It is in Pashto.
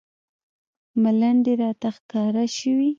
ملنډې راته ښکاره شوې.